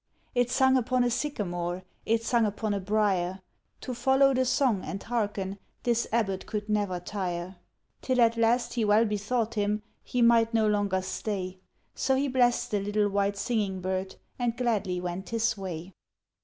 It sung upon a sycamore, it sung upon a briar; To follow the song and hearken this Abbot could never tire. Till at last he well bethought him; he might no longer stay; So he bless'd the little white singing bird, and gladly went his way.